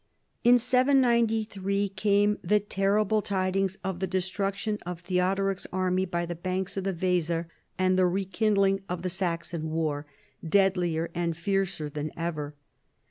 In 793 came the terrible tidings of the destruction of Theodoric's army by the banks of the Weser, and the rekindling of the Saxon war, deadlier and fiercer than ever.